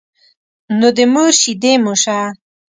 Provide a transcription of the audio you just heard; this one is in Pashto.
نو د مور شيدې مو شه.